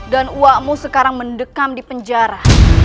dan uakmu sekarang mendekam di penjara